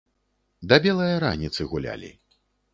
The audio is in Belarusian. Да белае раніцы гулялі.